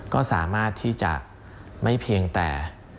ก็สามารถที่จะไม่เพียงแต่